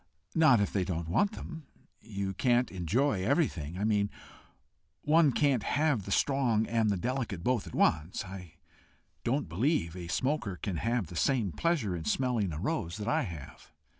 "Not if they don't want them. You can't enjoy everything I mean, one can't have the strong and the delicate both at once. I don't believe a smoker can have the same pleasure in smelling a rose that I have."